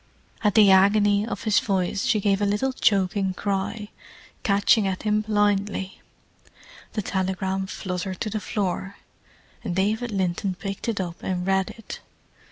At the agony of his voice she gave a little choking cry, catching at him blindly. The telegram fluttered to the floor, and David Linton picked it up and read it.